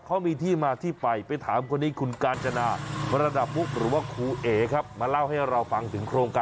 แต่ที่นี้เราจะทำยังไงให้แมวมันแด่นให้มันมีเอกลักษณ์เราดึงความสนุกความน่ารักของแมวออกมา